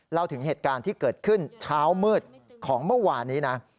เล่าถึงเหตุการณ์ที่เกิดขึ้นเช้ามืดของเมื่อวานนี้นะ